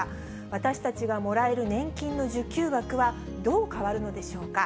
私たちがもらえる年金の受給額はどう変わるのでしょうか。